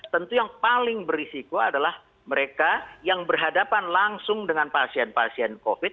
tentu yang paling berisiko adalah mereka yang berhadapan langsung dengan pasien pasien covid